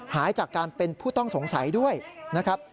หายจากการเป็นผู้ต้องสงสัยด้วยนะครับ